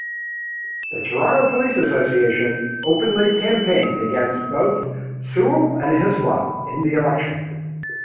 The Toronto police association openly campaigned against both Sewell and Hislop in the election.